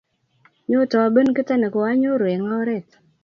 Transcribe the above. Nyoo tobwn kito ne koanyoru wng' oret